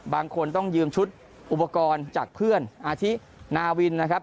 บางคนต้องยืมชุดอุปกรณ์จากเพื่อนอาทินาวินนะครับ